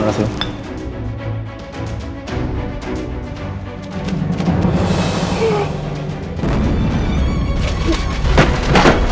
mari minum dulu ah